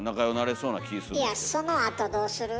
いやそのあとどうする？